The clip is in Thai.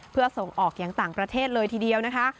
เพื่อส่งออกอย่างต่างประเทศเลยทีเดียวนะคะ